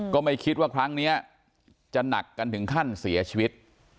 ก็ไม่คิดว่าครั้งนี้จะหนักกันถึงขั้นเสียชีวิต